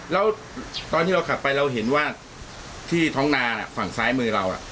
แล้วตอนที่เราขับไปเราเห็นว่าที่ท้องนาฝั่งซ้ายมือเรา